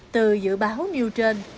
từ dự báo nêu trên